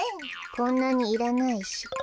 こんなにいらないし。